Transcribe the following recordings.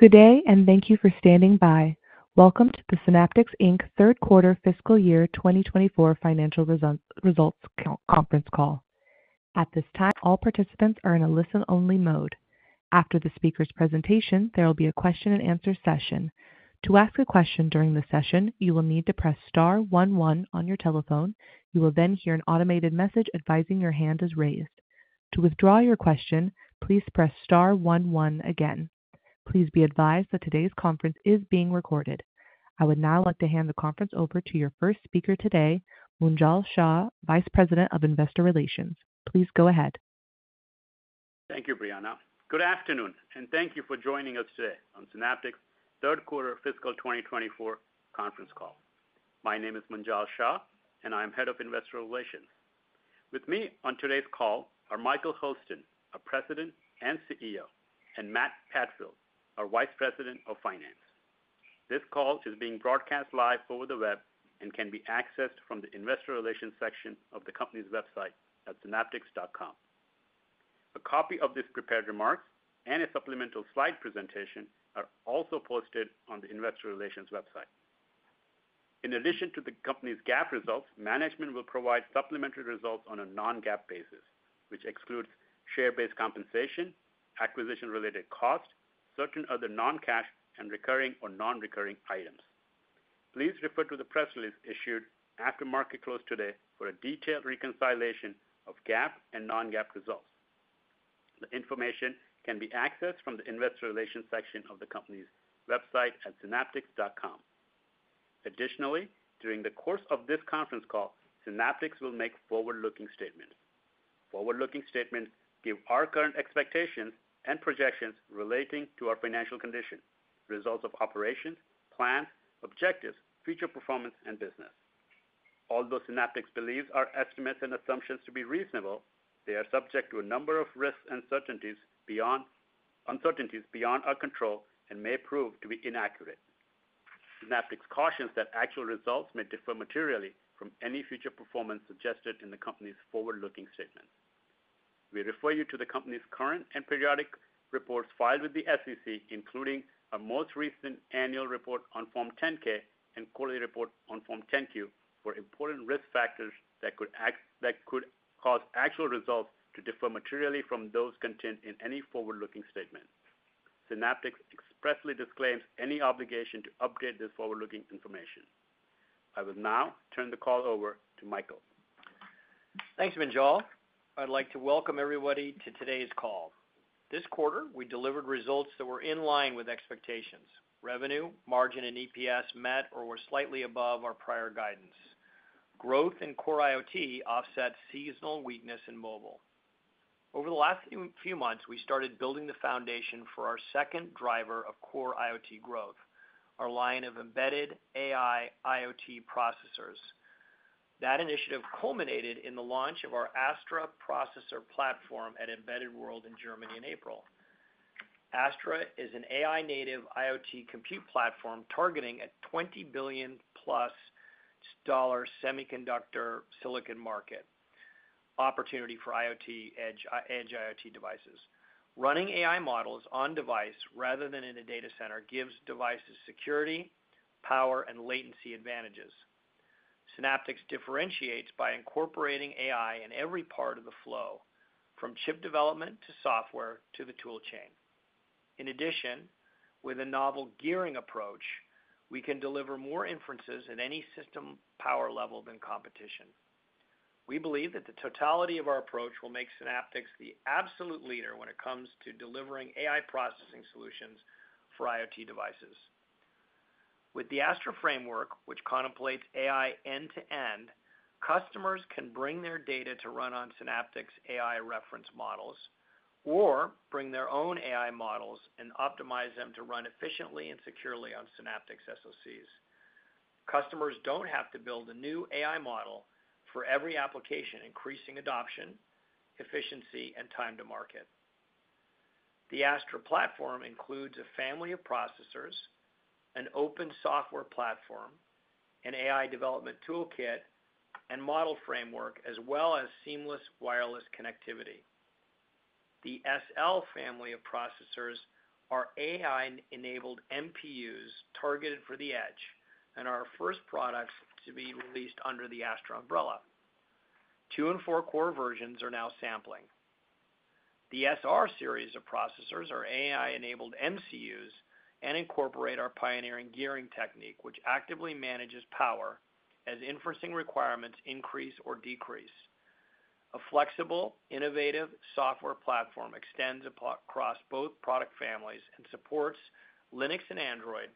Good day and thank you for standing by. Welcome to the Synaptics Inc. third quarter fiscal year 2024 financial results conference call. At this time, all participants are in a listen-only mode. After the speaker's presentation, there will be a question-and-answer session. To ask a question during the session, you will need to press star 11 on your telephone. You will then hear an automated message advising your hand is raised. To withdraw your question, please press star one one again. Please be advised that today's conference is being recorded. I would now like to hand the conference over to your first speaker today, Munjal Shah, Vice President of Investor Relations. Please go ahead. Thank you, Brianna. Good afternoon, and thank you for joining us today on Synaptics' third quarter fiscal 2024 conference call. My name is Munjal Shah, and I am head of Investor Relations. With me on today's call are Michael Hurlston, our President and CEO, and Matt Padfield, our Vice President of Finance. This call is being broadcast live over the web and can be accessed from the Investor Relations section of the company's website at synaptics.com. A copy of these prepared remarks and a supplemental slide presentation are also posted on the Investor Relations website. In addition to the company's GAAP results, management will provide supplementary results on a non-GAAP basis, which excludes share-based compensation, acquisition-related costs, certain other non-cash, and recurring or non-recurring items. Please refer to the press release issued after market close today for a detailed reconciliation of GAAP and non-GAAP results. The information can be accessed from the Investor Relations section of the company's website at synaptics.com. Additionally, during the course of this conference call, Synaptics will make forward-looking statements. Forward-looking statements give our current expectations and projections relating to our financial condition, results of operations, plans, objectives, future performance, and business. Although Synaptics believes our estimates and assumptions to be reasonable, they are subject to a number of risks and uncertainties beyond our control and may prove to be inaccurate. Synaptics cautions that actual results may differ materially from any future performance suggested in the company's forward-looking statements. We refer you to the company's current and periodic reports filed with the SEC, including our most recent annual report on Form 10-K and quarterly report on Form 10-Q for important risk factors that could cause actual results to differ materially from those contained in any forward-looking statement. Synaptics expressly disclaims any obligation to update this forward-looking information. I will now turn the call over to Michael. Thanks, Munjal. I'd like to welcome everybody to today's call. This quarter, we delivered results that were in line with expectations: revenue, margin, and EPS met or were slightly above our prior guidance. Growth in core IoT offset seasonal weakness in mobile. Over the last few months, we started building the foundation for our second driver of core IoT growth, our line of embedded AI IoT processors. That initiative culminated in the launch of our Astra processor platform at Embedded World in Germany in April. Astra is an AI-native IoT compute platform targeting a $20 billion+ semiconductor silicon market opportunity for edge IoT devices. Running AI models on-device rather than in a data center gives devices security, power, and latency advantages. Synaptics differentiates by incorporating AI in every part of the flow, from chip development to software to the toolchain. In addition, with a novel gearing approach, we can deliver more inferences at any system power level than competition. We believe that the totality of our approach will make Synaptics the absolute leader when it comes to delivering AI processing solutions for IoT devices. With the Astra framework, which contemplates AI end-to-end, customers can bring their data to run on Synaptics AI reference models or bring their own AI models and optimize them to run efficiently and securely on Synaptics SOCs. Customers don't have to build a new AI model for every application, increasing adoption, efficiency, and time to market. The Astra platform includes a family of processors, an open software platform, an AI development toolkit, and model framework, as well as seamless wireless connectivity. The SL family of processors are AI-enabled NPUs targeted for the edge and are our first products to be released under the Astra umbrella. 2- and 4-core versions are now sampling. The SR Series of processors are AI-enabled MCUs and incorporate our pioneering gearing technique, which actively manages power as inferencing requirements increase or decrease. A flexible, innovative software platform extends across both product families and supports Linux and Android,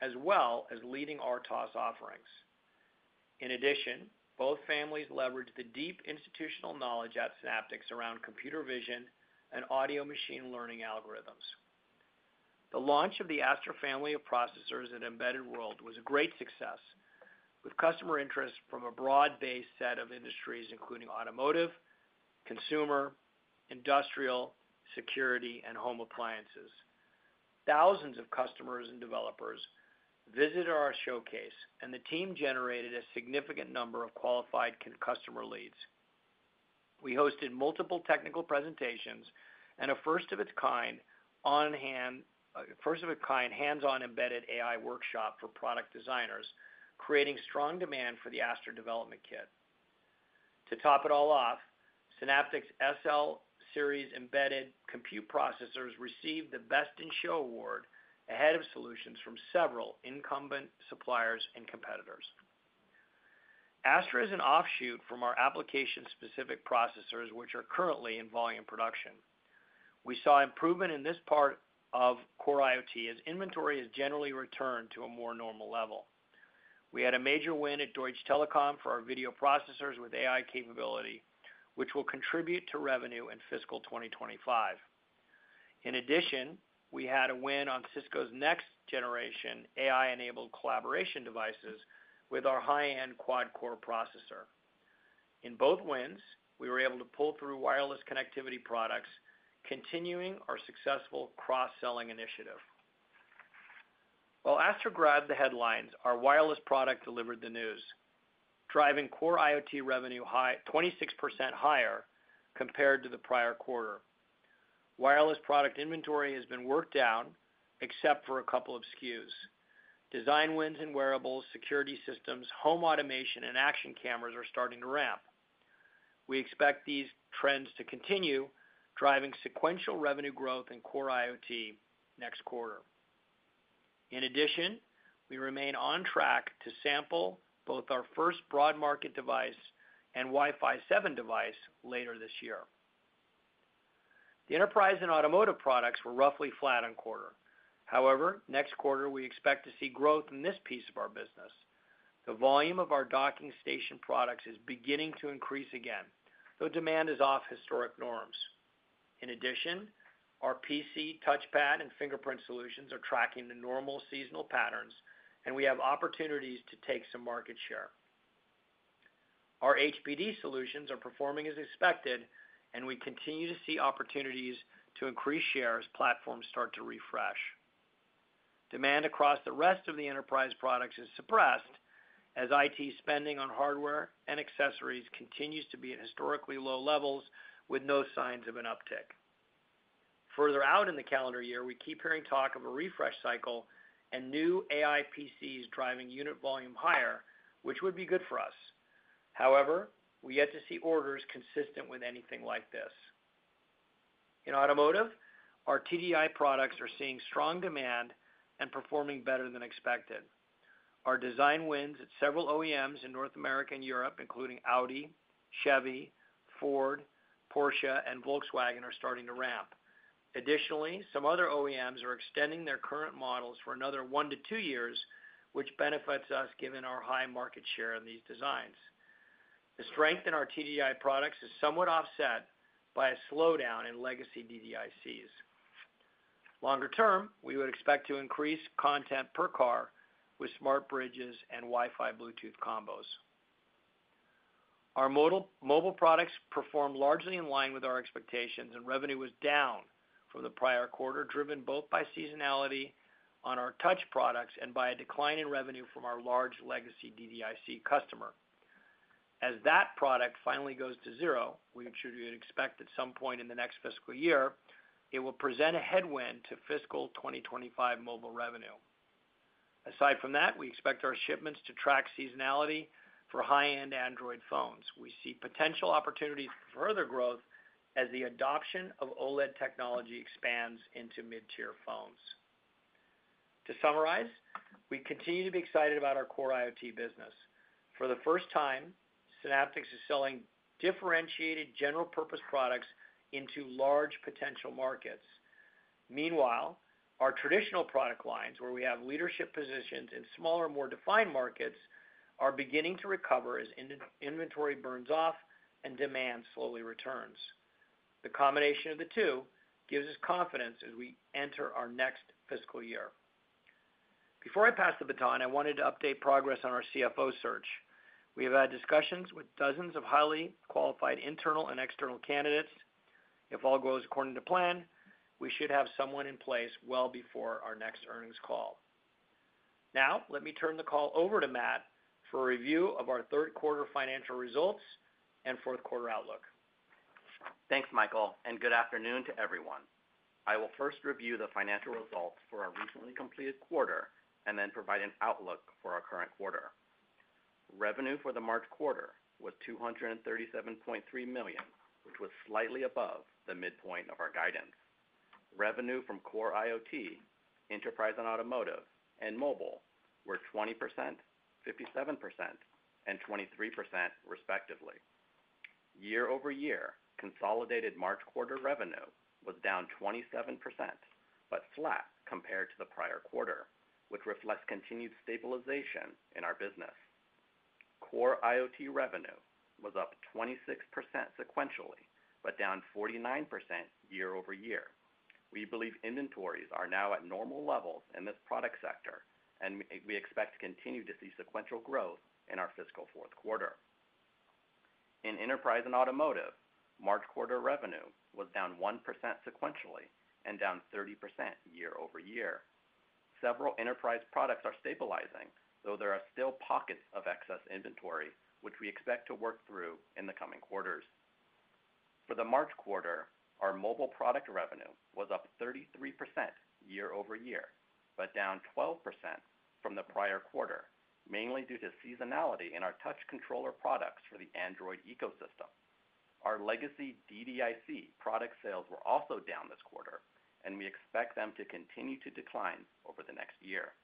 as well as leading RTOS offerings. In addition, both families leverage the deep institutional knowledge at Synaptics around computer vision and audio machine learning algorithms. The launch of the Astra family of processors at Embedded World was a great success, with customer interest from a broad-based set of industries, including automotive, consumer, industrial, security, and home appliances. Thousands of customers and developers visited our showcase, and the team generated a significant number of qualified customer leads. We hosted multiple technical presentations and a first-of-its-kind hands-on embedded AI workshop for product designers, creating strong demand for the Astra development kit. To top it all off, Synaptics SL Series embedded compute processors received the Best in Show Award ahead of solutions from several incumbent suppliers and competitors. Astra is an offshoot from our application-specific processors, which are currently involved in production. We saw improvement in this part of core IoT as inventory has generally returned to a more normal level. We had a major win at Deutsche Telekom for our video processors with AI capability, which will contribute to revenue in fiscal 2025. In addition, we had a win on Cisco's next-generation AI-enabled collaboration devices with our high-end quad-core processor. In both wins, we were able to pull through wireless connectivity products, continuing our successful cross-selling initiative. While Astra grabbed the headlines, our wireless product delivered the news, driving core IoT revenue 26% higher compared to the prior quarter. Wireless product inventory has been worked down, except for a couple of SKUs. Design wins in wearables, security systems, home automation, and action cameras are starting to ramp. We expect these trends to continue, driving sequential revenue growth in core IoT next quarter. In addition, we remain on track to sample both our first broad-market device and Wi-Fi 7 device later this year. The enterprise and automotive products were roughly flat on quarter. However, next quarter, we expect to see growth in this piece of our business. The volume of our docking station products is beginning to increase again, though demand is off historic norms. In addition, our PC, touchpad, and fingerprint solutions are tracking the normal seasonal patterns, and we have opportunities to take some market share. Our HPD solutions are performing as expected, and we continue to see opportunities to increase share as platforms start to refresh. Demand across the rest of the enterprise products is suppressed as IT spending on hardware and accessories continues to be at historically low levels, with no signs of an uptick. Further out in the calendar year, we keep hearing talk of a refresh cycle and new AI PCs driving unit volume higher, which would be good for us. However, we yet to see orders consistent with anything like this. In automotive, our TDDI products are seeing strong demand and performing better than expected. Our design wins at several OEMs in North America and Europe, including Audi, Chevy, Ford, Porsche, and Volkswagen, are starting to ramp. Additionally, some other OEMs are extending their current models for another 1-2 years, which benefits us given our high market share in these designs. The strength in our TDDI products is somewhat offset by a slowdown in legacy DDICs. Longer term, we would expect to increase content per car with SmartBridges and Wi-Fi Bluetooth combos. Our mobile products performed largely in line with our expectations, and revenue was down from the prior quarter, driven both by seasonality on our touch products and by a decline in revenue from our large legacy DDIC customer. As that product finally goes to zero, which we would expect at some point in the next fiscal year, it will present a headwind to fiscal 2025 mobile revenue. Aside from that, we expect our shipments to track seasonality for high-end Android phones. We see potential opportunities for further growth as the adoption of OLED technology expands into mid-tier phones. To summarize, we continue to be excited about our core IoT business. For the first time, Synaptics is selling differentiated general-purpose products into large potential markets. Meanwhile, our traditional product lines, where we have leadership positions in smaller, more defined markets, are beginning to recover as inventory burns off and demand slowly returns. The combination of the two gives us confidence as we enter our next fiscal year. Before I pass the baton, I wanted to update progress on our CFO search. We have had discussions with dozens of highly qualified internal and external candidates. If all goes according to plan, we should have someone in place well before our next earnings call. Now, let me turn the call over to Matt for a review of our third quarter financial results and fourth quarter outlook. Thanks, Michael, and good afternoon to everyone. I will first review the financial results for our recently completed quarter and then provide an outlook for our current quarter. Revenue for the March quarter was $237.3 million, which was slightly above the midpoint of our guidance. Revenue from core IoT, enterprise and automotive, and mobile were 20%, 57%, and 23%, respectively. Year-over-year, consolidated March quarter revenue was down 27% but flat compared to the prior quarter, which reflects continued stabilization in our business. Core IoT revenue was up 26% sequentially but down 49% year-over-year. We believe inventories are now at normal levels in this product sector, and we expect to continue to see sequential growth in our fiscal fourth quarter. In enterprise and automotive, March quarter revenue was down 1% sequentially and down 30% year-over-year. Several enterprise products are stabilizing, though there are still pockets of excess inventory, which we expect to work through in the coming quarters. For the March quarter, our mobile product revenue was up 33% year over year but down 12% from the prior quarter, mainly due to seasonality in our touch controller products for the Android ecosystem. Our legacy DDIC product sales were also down this quarter, and we expect them to continue to decline over the next year.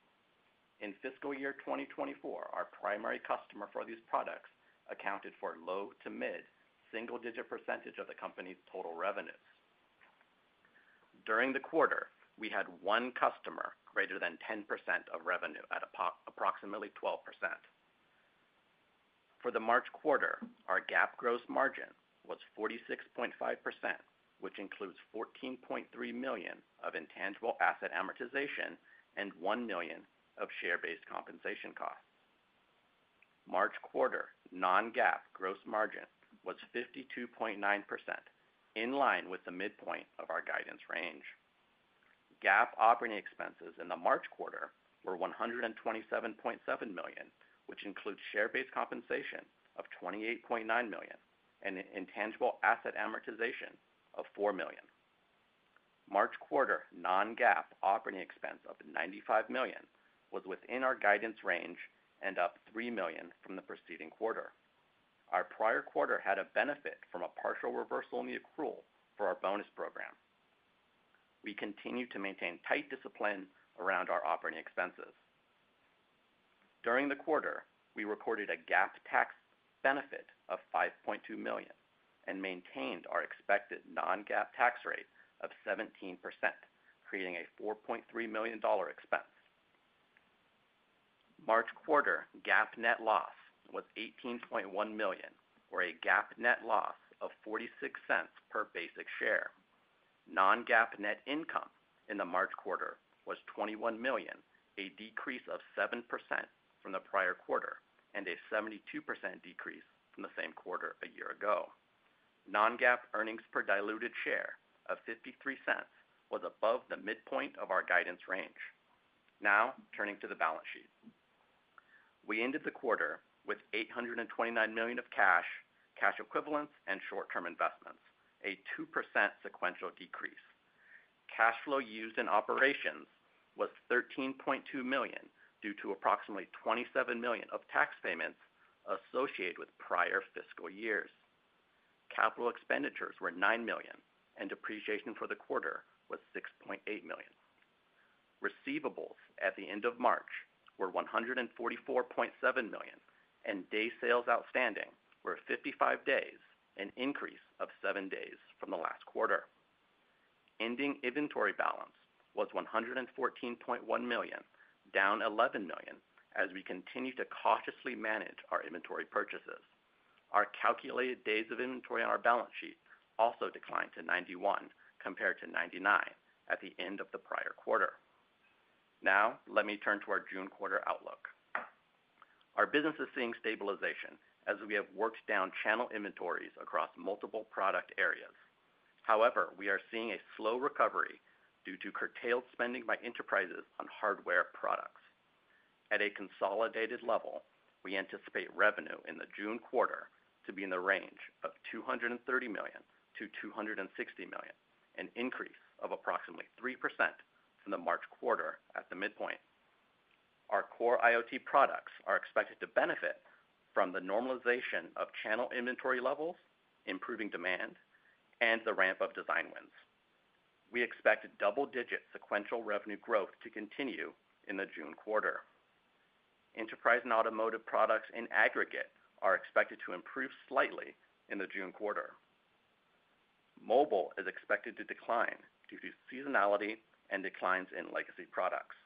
In fiscal year 2024, our primary customer for these products accounted for a low to mid single-digit percentage of the company's total revenues. During the quarter, we had one customer greater than 10% of revenue at approximately 12%. For the March quarter, our GAAP gross margin was 46.5%, which includes $14.3 million of intangible asset amortization and $1 million of share-based compensation costs. March quarter non-GAAP gross margin was 52.9%, in line with the midpoint of our guidance range. GAAP operating expenses in the March quarter were $127.7 million, which includes share-based compensation of $28.9 million and intangible asset amortization of $4 million. March quarter non-GAAP operating expense of $95 million was within our guidance range and up $3 million from the preceding quarter. Our prior quarter had a benefit from a partial reversal in the accrual for our bonus program. We continue to maintain tight discipline around our operating expenses. During the quarter, we recorded a GAAP tax benefit of $5.2 million and maintained our expected non-GAAP tax rate of 17%, creating a $4.3 million expense. March quarter GAAP net loss was $18.1 million, or a GAAP net loss of $0.46 per basic share. Non-GAAP net income in the March quarter was $21 million, a decrease of 7% from the prior quarter and a 72% decrease from the same quarter a year ago. Non-GAAP earnings per diluted share of $0.53 was above the midpoint of our guidance range. Now, turning to the balance sheet. We ended the quarter with $829 million of cash, cash equivalents, and short-term investments, a 2% sequential decrease. Cash flow used in operations was $13.2 million due to approximately $27 million of tax payments associated with prior fiscal years. Capital expenditures were $9 million, and depreciation for the quarter was $6.8 million. Receivables at the end of March were $144.7 million, and days sales outstanding were 55 days, an increase of 7 days from the last quarter. Ending inventory balance was $114.1 million, down $11 million, as we continue to cautiously manage our inventory purchases. Our calculated days of inventory on our balance sheet also declined to 91 compared to 99 at the end of the prior quarter. Now, let me turn to our June quarter outlook. Our business is seeing stabilization as we have worked down channel inventories across multiple product areas. However, we are seeing a slow recovery due to curtailed spending by enterprises on hardware products. At a consolidated level, we anticipate revenue in the June quarter to be in the range of $230 million-$260 million, an increase of approximately 3% from the March quarter at the midpoint. Our core IoT products are expected to benefit from the normalization of channel inventory levels, improving demand, and the ramp of design wins. We expect double-digit sequential revenue growth to continue in the June quarter. Enterprise and automotive products in aggregate are expected to improve slightly in the June quarter. Mobile is expected to decline due to seasonality and declines in legacy products.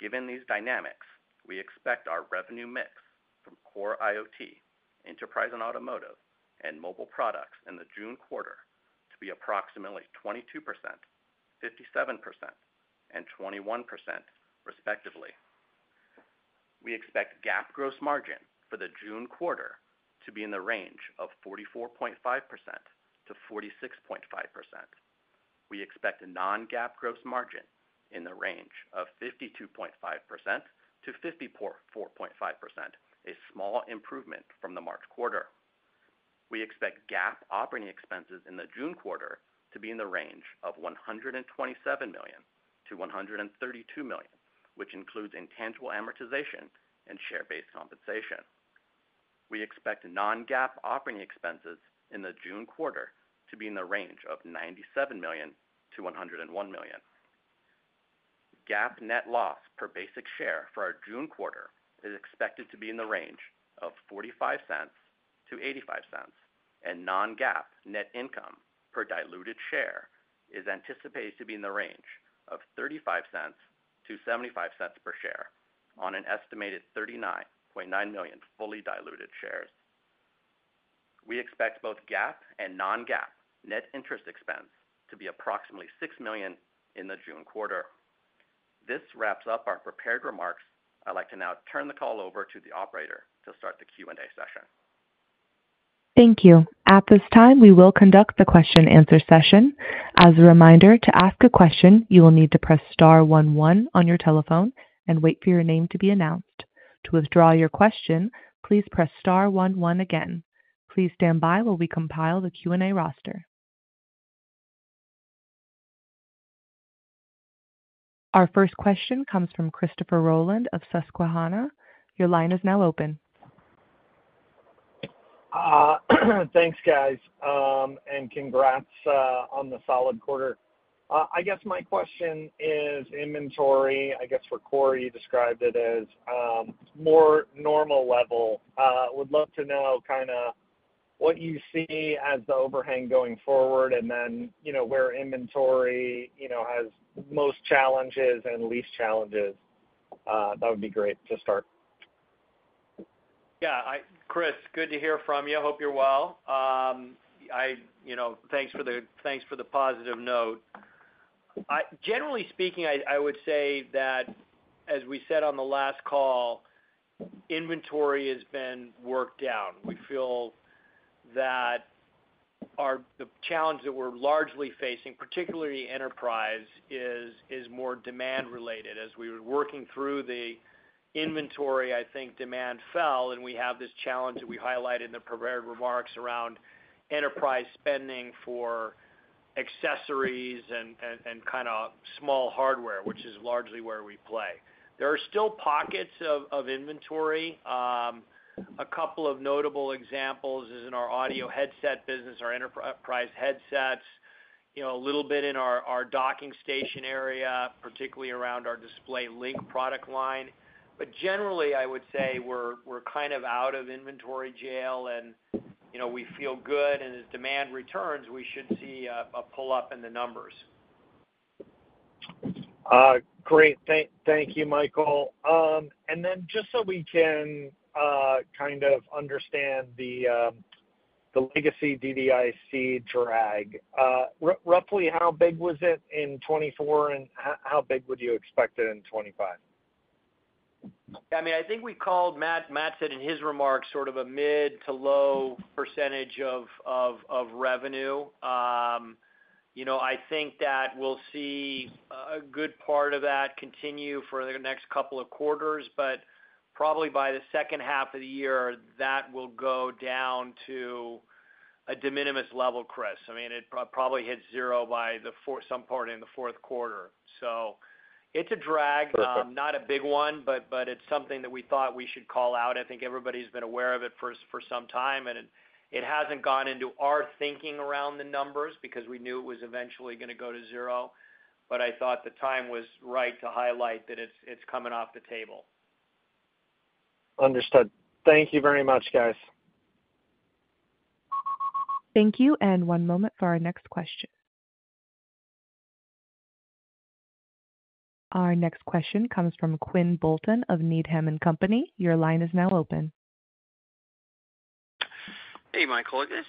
Given these dynamics, we expect our revenue mix from core IoT, enterprise and automotive, and mobile products in the June quarter to be approximately 22%, 57%, and 21%, respectively. We expect GAAP gross margin for the June quarter to be in the range of 44.5%-46.5%. We expect non-GAAP gross margin in the range of 52.5%-54.5%, a small improvement from the March quarter. We expect GAAP operating expenses in the June quarter to be in the range of $127 million-$132 million, which includes intangible amortization and share-based compensation. We expect non-GAAP operating expenses in the June quarter to be in the range of $97 million-$101 million. GAAP net loss per basic share for our June quarter is expected to be in the range of $0.45-$0.85, and non-GAAP net income per diluted share is anticipated to be in the range of $0.35-$0.75 per share on an estimated 39.9 million fully diluted shares. We expect both GAAP and non-GAAP net interest expense to be approximately $6 million in the June quarter. This wraps up our prepared remarks. I'd like to now turn the call over to the operator to start the Q&A session. Thank you. At this time, we will conduct the question-and-answer session. As a reminder, to ask a question, you will need to press star one one on your telephone and wait for your name to be announced. To withdraw your question, please press star one one again. Please stand by while we compile the Q&A roster. Our first question comes from Christopher Rolland of Susquehanna. Your line is now open. Thanks, guys, and congrats on the solid quarter. I guess my question is inventory. I guess for Core IoT, you described it as more normal level. Would love to know kind of what you see as the overhang going forward and then where inventory has most challenges and least challenges. That would be great to start. Yeah, Chris, good to hear from you. I hope you're well. Thanks for the positive note. Generally speaking, I would say that, as we said on the last call, inventory has been worked down. We feel that the challenge that we're largely facing, particularly enterprise, is more demand-related. As we were working through the inventory, I think demand fell, and we have this challenge that we highlighted in the prepared remarks around enterprise spending for accessories and kind of small hardware, which is largely where we play. There are still pockets of inventory. A couple of notable examples is in our audio headset business, our enterprise headsets, a little bit in our docking station area, particularly around our DisplayLink product line. But generally, I would say we're kind of out of inventory jail, and we feel good, and as demand returns, we should see a pull-up in the numbers. Great. Thank you, Michael. And then just so we can kind of understand the legacy DDIC drag, roughly how big was it in 2024, and how big would you expect it in 2025? Yeah, I mean, I think as Matt said in his remarks sort of a mid- to low percentage of revenue. I think that we'll see a good part of that continue for the next couple of quarters, but probably by the second half of the year, that will go down to a de minimis level, Chris. I mean, it probably hits zero by some part in the fourth quarter. So it's a drag, not a big one, but it's something that we thought we should call out. I think everybody's been aware of it for some time, and it hasn't gone into our thinking around the numbers because we knew it was eventually going to go to zero. But I thought the time was right to highlight that it's coming off the table. Understood. Thank you very much, guys. Thank you, and one moment for our next question. Our next question comes from Quinn Bolton of Needham & Company. Your line is now open. Hey, Michael. I guess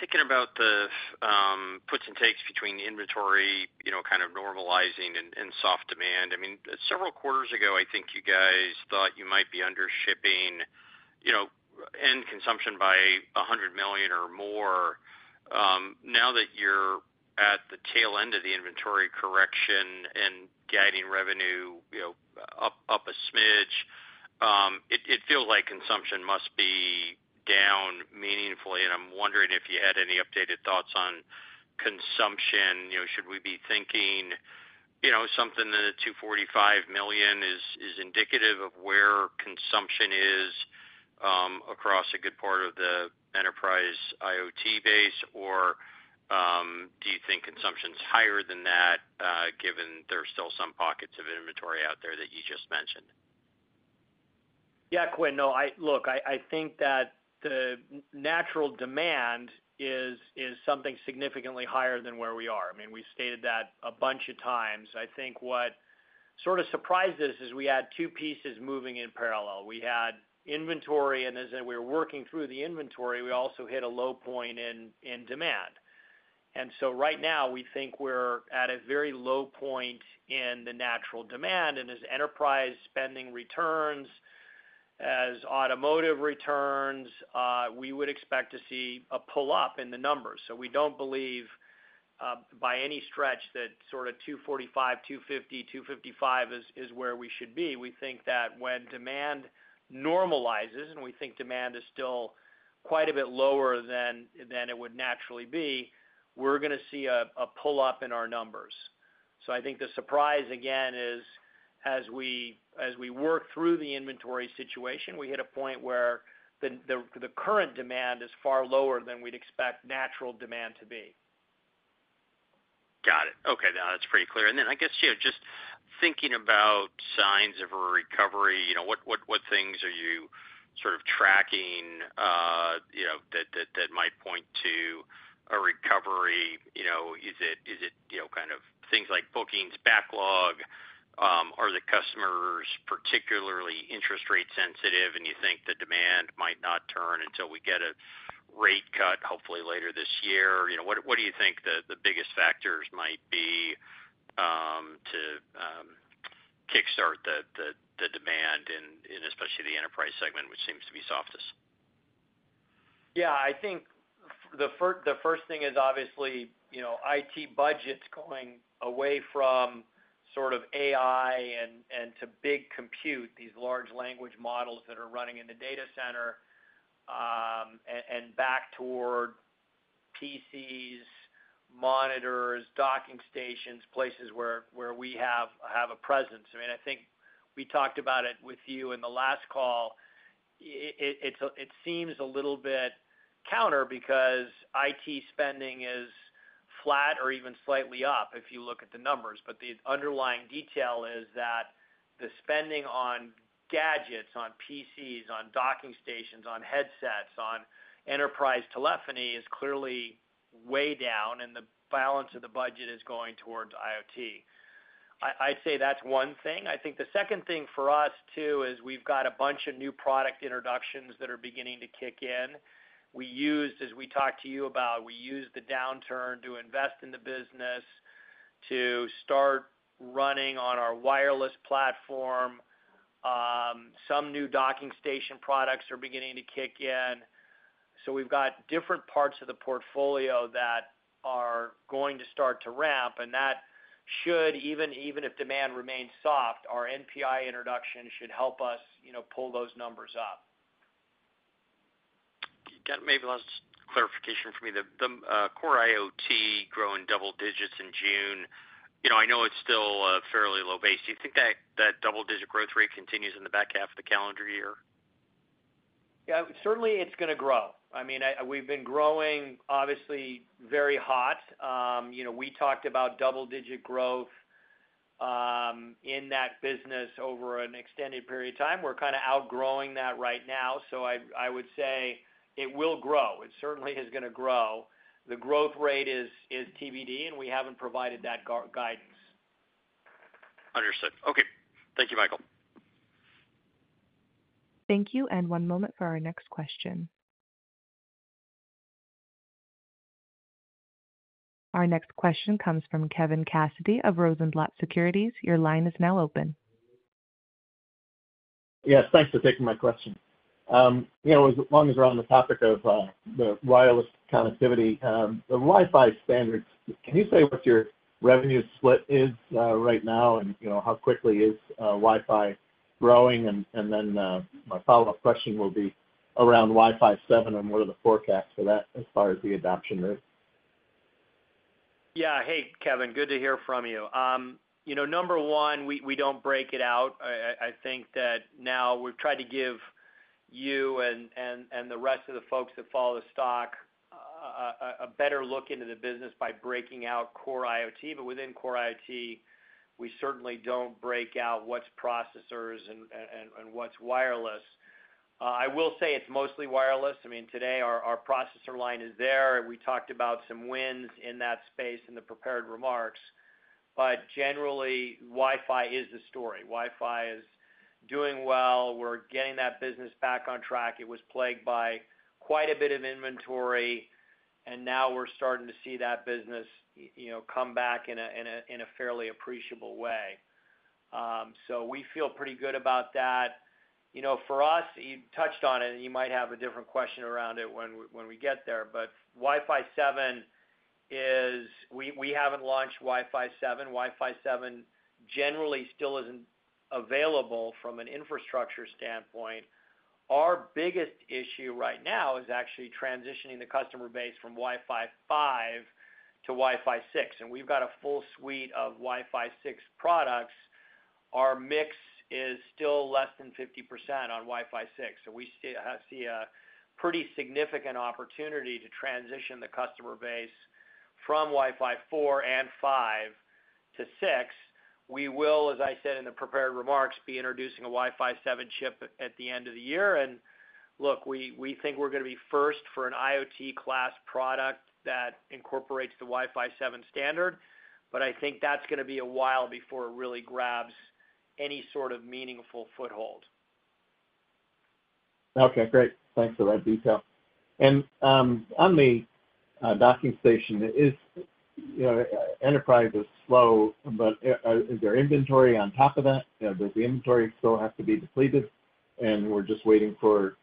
thinking about the puts and takes between inventory, kind of normalizing, and soft demand, I mean, several quarters ago, I think you guys thought you might be undershipping end consumption by 100 million or more. Now that you're at the tail end of the inventory correction and guiding revenue up a smidge, it feels like consumption must be down meaningfully. And I'm wondering if you had any updated thoughts on consumption. Should we be thinking something that 245 million is indicative of where consumption is across a good part of the enterprise IoT base, or do you think consumption's higher than that given there's still some pockets of inventory out there that you just mentioned? Yeah, Quinn. No, look, I think that the natural demand is something significantly higher than where we are. I mean, we stated that a bunch of times. I think what sort of surprised us is we had two pieces moving in parallel. We had inventory, and as we were working through the inventory, we also hit a low point in demand. And so right now, we think we're at a very low point in the natural demand. And as enterprise spending returns, as automotive returns, we would expect to see a pull-up in the numbers. So we don't believe by any stretch that sort of $245, $250, $255 is where we should be. We think that when demand normalizes, and we think demand is still quite a bit lower than it would naturally be, we're going to see a pull-up in our numbers. I think the surprise, again, is as we work through the inventory situation, we hit a point where the current demand is far lower than we'd expect natural demand to be. Got it. Okay. No, that's pretty clear. Then I guess just thinking about signs of a recovery, what things are you sort of tracking that might point to a recovery? Is it kind of things like bookings backlog? Are the customers particularly interest rate sensitive, and you think the demand might not turn until we get a rate cut, hopefully, later this year? What do you think the biggest factors might be to kickstart the demand, especially the enterprise segment, which seems to be softest? Yeah, I think the first thing is obviously IT budgets going away from sort of AI and to big compute, these large language models that are running in the data center, and back toward PCs, monitors, docking stations, places where we have a presence. I mean, I think we talked about it with you in the last call. It seems a little bit counter because IT spending is flat or even slightly up if you look at the numbers. But the underlying detail is that the spending on gadgets, on PCs, on docking stations, on headsets, on enterprise telephony is clearly way down, and the balance of the budget is going towards IoT. I'd say that's one thing. I think the second thing for us, too, is we've got a bunch of new product introductions that are beginning to kick in. As we talked to you about, we used the downturn to invest in the business, to start running on our wireless platform. Some new docking station products are beginning to kick in. So we've got different parts of the portfolio that are going to start to ramp, and that should, even if demand remains soft, our NPI introduction should help us pull those numbers up. Maybe last clarification for me. The core IoT growing double digits in June, I know it's still fairly low-based. Do you think that double-digit growth rate continues in the back half of the calendar year? Yeah, certainly, it's going to grow. I mean, we've been growing, obviously, very hot. We talked about double-digit growth in that business over an extended period of time. We're kind of outgrowing that right now. So I would say it will grow. It certainly is going to grow. The growth rate is TBD, and we haven't provided that guidance. Understood. Okay. Thank you, Michael. Thank you, and one moment for our next question. Our next question comes from Kevin Cassidy of Rosenblatt Securities. Your line is now open. Yes, thanks for taking my question. As long as we're on the topic of the wireless connectivity, the Wi-Fi standards, can you say what your revenue split is right now and how quickly is Wi-Fi growing? And then my follow-up question will be around Wi-Fi 7 and what are the forecasts for that as far as the adoption rate? Yeah, hey, Kevin. Good to hear from you. Number one, we don't break it out. I think that now we've tried to give you and the rest of the folks that follow the stock a better look into the business by breaking out core IoT. But within core IoT, we certainly don't break out what's processors and what's wireless. I will say it's mostly wireless. I mean, today, our processor line is there. We talked about some wins in that space in the prepared remarks. But generally, Wi-Fi is the story. Wi-Fi is doing well. We're getting that business back on track. It was plagued by quite a bit of inventory, and now we're starting to see that business come back in a fairly appreciable way. So we feel pretty good about that. For us, you touched on it, and you might have a different question around it when we get there. But Wi-Fi 7 is we haven't launched Wi-Fi 7. Wi-Fi 7 generally still isn't available from an infrastructure standpoint. Our biggest issue right now is actually transitioning the customer base from Wi-Fi 5 to Wi-Fi 6. And we've got a full suite of Wi-Fi 6 products. Our mix is still less than 50% on Wi-Fi 6. So we see a pretty significant opportunity to transition the customer base from Wi-Fi 4 and 5 to 6. We will, as I said in the prepared remarks, be introducing a Wi-Fi 7 chip at the end of the year. And look, we think we're going to be first for an IoT-class product that incorporates the Wi-Fi 7 standard. I think that's going to be a while before it really grabs any sort of meaningful foothold. Okay, great. Thanks for that detail. And on the docking station, is enterprise slow, but is there inventory on top of that? Does the inventory still have to be depleted? And we're just waiting for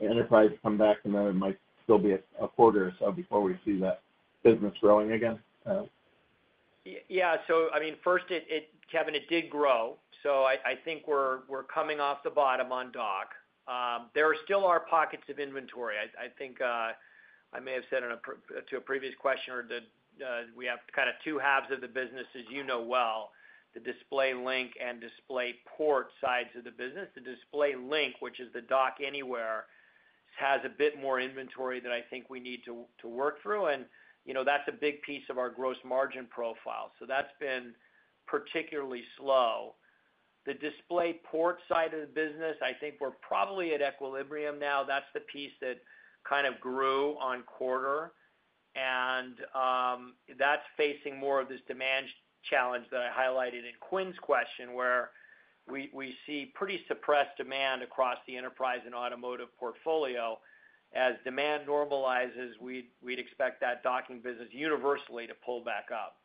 enterprise to come back, and there might still be a quarter or so before we see that business growing again. Yeah, so I mean, first, Kevin, it did grow. So I think we're coming off the bottom on dock. There still are pockets of inventory. I think I may have said to a previous questioner that we have kind of two halves of the business, as you know well, the DisplayLink and DisplayPort sides of the business. The DisplayLink, which is the dock anywhere, has a bit more inventory that I think we need to work through. And that's a big piece of our gross margin profile. So that's been particularly slow. The DisplayPort side of the business, I think we're probably at equilibrium now. That's the piece that kind of grew on quarter. And that's facing more of this demand challenge that I highlighted in Quinn's question, where we see pretty suppressed demand across the enterprise and automotive portfolio. As demand normalizes, we'd expect that docking business universally to pull back up.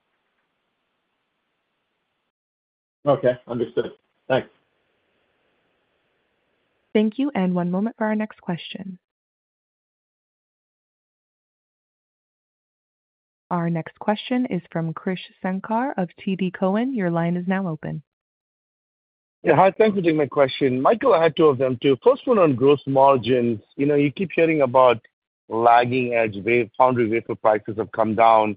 Okay, understood. Thanks. Thank you, and one moment for our next question. Our next question is from Krish Sankar of TD Cowen. Your line is now open. Yeah, hi. Thanks for taking my question. Michael, I had two of them, too. First one on gross margins. You keep hearing about lagging edge. Foundry wafer prices have come down,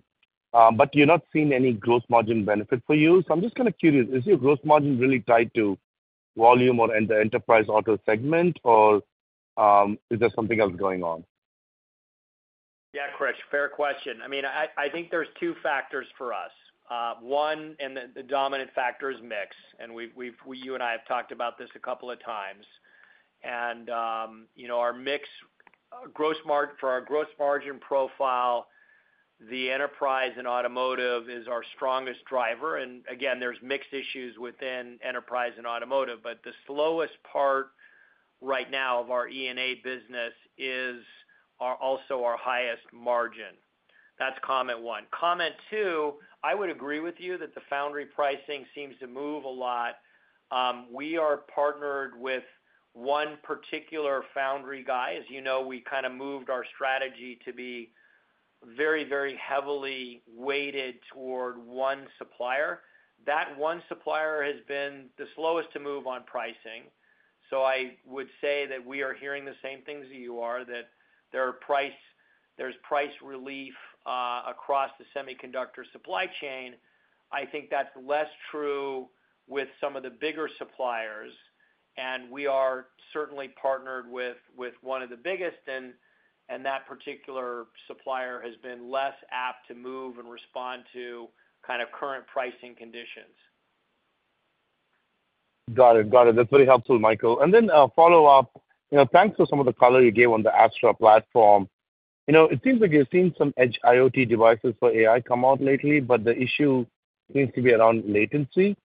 but you're not seeing any gross margin benefit for you. So I'm just kind of curious, is your gross margin really tied to volume or the enterprise auto segment, or is there something else going on? Yeah, Krish, fair question. I mean, I think there's two factors for us. One, and the dominant factor is mix. And you and I have talked about this a couple of times. And our mix, gross margin for our gross margin profile, the enterprise and automotive is our strongest driver. And again, there's mixed issues within enterprise and automotive, but the slowest part right now of our E&A business is also our highest margin. That's comment one. Comment two, I would agree with you that the foundry pricing seems to move a lot. We are partnered with one particular foundry guy. As you know, we kind of moved our strategy to be very, very heavily weighted toward one supplier. That one supplier has been the slowest to move on pricing. I would say that we are hearing the same things that you are, that there's price relief across the semiconductor supply chain. I think that's less true with some of the bigger suppliers. We are certainly partnered with one of the biggest, and that particular supplier has been less apt to move and respond to kind of current pricing conditions. Got it. Got it. That's very helpful, Michael. And then follow-up, thanks for some of the color you gave on the Astra platform. It seems like you've seen some edge IoT devices for AI come out lately, but the issue seems to be around latency.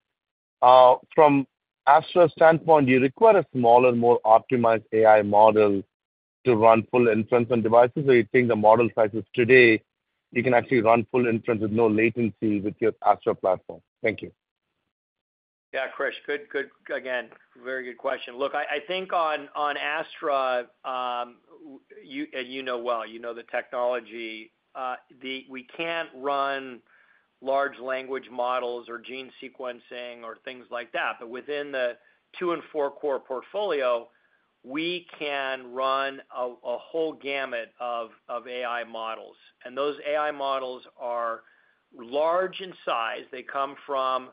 From Astra's standpoint, do you require a smaller, more optimized AI model to run full inference on devices? Or do you think the model sizes today, you can actually run full inference with no latency with your Astra platform? Thank you. Yeah, Krish, good. Again, very good question. Look, I think on Astra, and you know well, you know the technology, we can't run large language models or gene sequencing or things like that. But within the 2- and 4-core portfolio, we can run a whole gamut of AI models. And those AI models are large in size. They come from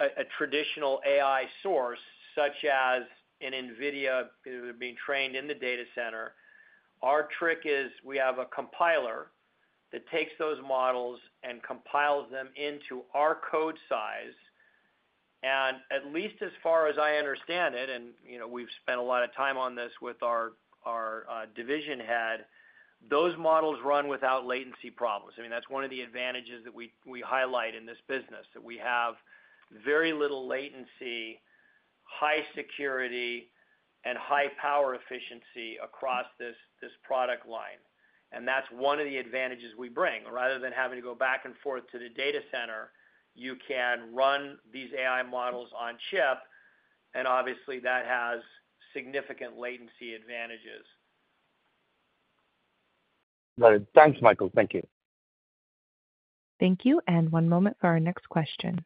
a traditional AI source such as an NVIDIA being trained in the data center. Our trick is we have a compiler that takes those models and compiles them into our code size. And at least as far as I understand it, and we've spent a lot of time on this with our division head, those models run without latency problems. I mean, that's one of the advantages that we highlight in this business, that we have very little latency, high security, and high power efficiency across this product line. That's one of the advantages we bring. Rather than having to go back and forth to the data center, you can run these AI models on chip, and obviously, that has significant latency advantages. Got it. Thanks, Michael. Thank you. Thank you, and one moment for our next question.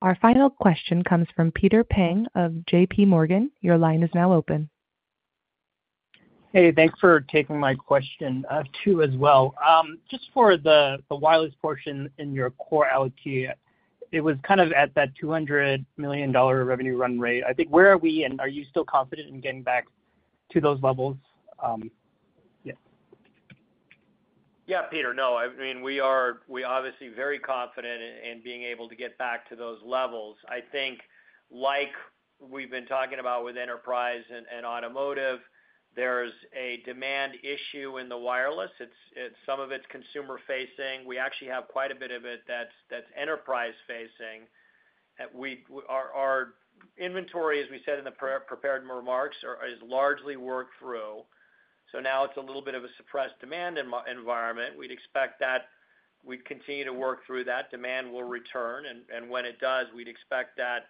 Our final question comes from Peter Peng of JPMorgan. Your line is now open. Hey, thanks for taking my question, too, as well. Just for the wireless portion in your core IoT, it was kind of at that $200 million revenue run rate. I think where are we, and are you still confident in getting back to those levels? Yeah, Peter, no. I mean, we are obviously very confident in being able to get back to those levels. I think, like we've been talking about with enterprise and automotive, there's a demand issue in the wireless. Some of it's consumer-facing. We actually have quite a bit of it that's enterprise-facing. Our inventory, as we said in the prepared remarks, is largely worked through. So now it's a little bit of a suppressed demand environment. We'd expect that we'd continue to work through that. Demand will return. And when it does, we'd expect that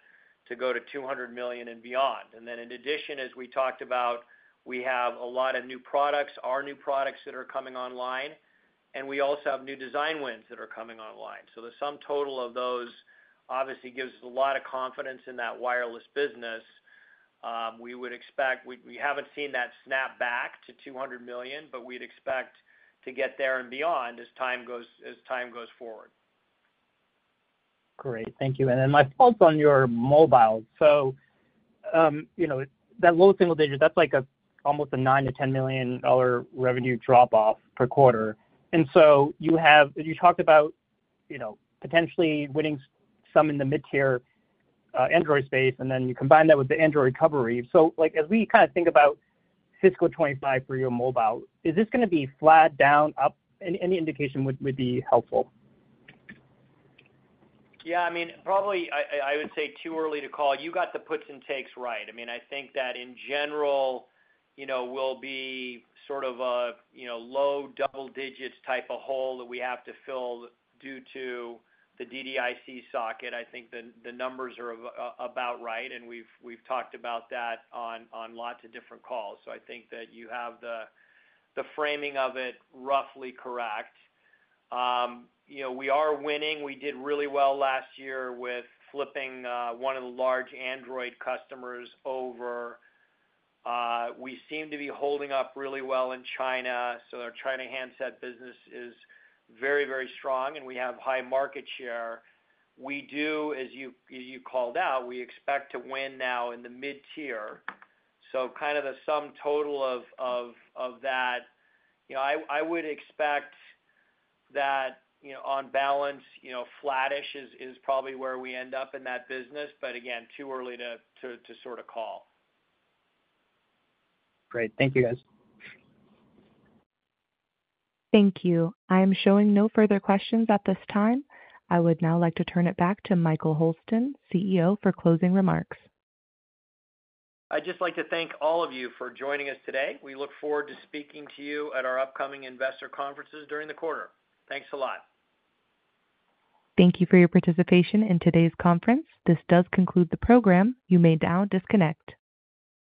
to go to 200 million and beyond. And then in addition, as we talked about, we have a lot of new products, our new products that are coming online, and we also have new design wins that are coming online. So the sum total of those obviously gives us a lot of confidence in that wireless business. We would expect we haven't seen that snap back to $200 million, but we'd expect to get there and beyond as time goes forward. Great. Thank you. And then my thoughts on your mobile. So that low single digit, that's almost a $9 million-$10 million revenue drop-off per quarter. And so you talked about potentially winning some in the mid-tier Android space, and then you combine that with the Android recovery. So as we kind of think about fiscal 2025 for your mobile, is this going to be flat down, up? Any indication would be helpful. Yeah, I mean, probably I would say too early to call. You got the puts and takes right. I mean, I think that, in general, will be sort of a low double-digit type of hole that we have to fill due to the DDIC socket. I think the numbers are about right, and we've talked about that on lots of different calls. So I think that you have the framing of it roughly correct. We are winning. We did really well last year with flipping one of the large Android customers over. We seem to be holding up really well in China. So our China handset business is very, very strong, and we have high market share. We do, as you called out, we expect to win now in the mid-tier. So kind of the sum total of that, I would expect that on balance, flattish is probably where we end up in that business. But again, too early to sort of call. Great. Thank you, guys. Thank you. I am showing no further questions at this time. I would now like to turn it back to Michael Hurlston, CEO, for closing remarks. I'd just like to thank all of you for joining us today. We look forward to speaking to you at our upcoming investor conferences during the quarter. Thanks a lot. Thank you for your participation in today's conference. This does conclude the program. You may now disconnect.